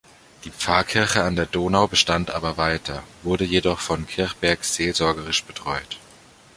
Die Pfarrkirche an der Donau bestand aber weiter, wurde jedoch von Kirchberg seelsorgerisch betreut.